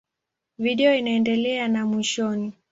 Video inaendelea na mwishoni.